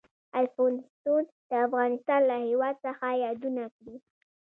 الفونستون د افغانستان له هېواد څخه یادونه کړې.